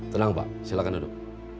tenang pak silahkan duduk